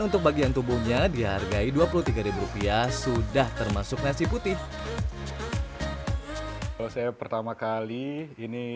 untuk bagian tubuhnya dihargai dua puluh tiga rupiah sudah termasuk nasi putih kalau saya pertama kali ini